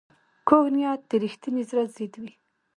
کوږ نیت د رښتیني زړه ضد وي